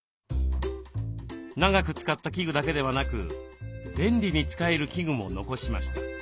長く使った器具だけではなく便利に使える器具も残しました。